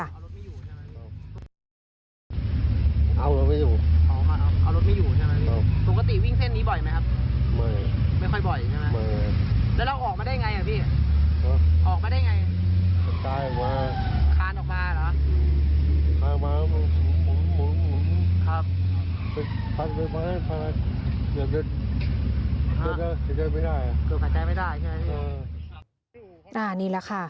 นี่แหละค่ะ